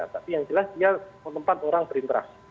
tapi yang jelas dia menempat orang berinteraksi